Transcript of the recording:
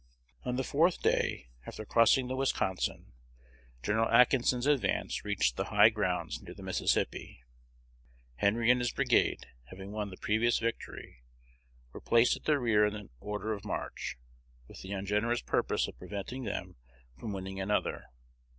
On the fourth day, after crossing the Wisconsin, Gen. Atkinson's advance reached the high grounds near the Mississippi. Henry and his brigade, having won the previous victory, were placed at the rear in the order of march, with the ungenerous purpose of preventing them from winning another.